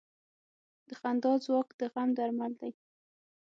د خندا ځواک د غم درمل دی.